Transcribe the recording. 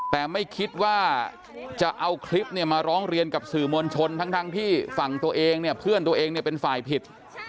แต่ไม่คิดว่าจะเอาคลิปเนี่ยมาร้องเรียนกับสื่อมวลชนทั้งที่ฝั่งตัวเองเนี่ยเพื่อนตัวเองเนี่ยเป็นฝ่ายผิด